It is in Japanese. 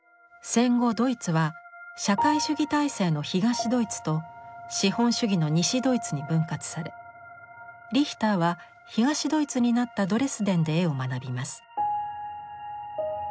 戦後ドイツは社会主義体制の東ドイツと資本主義の西ドイツに分割されリヒターは東ドイツになったドレスデンで絵を学びます。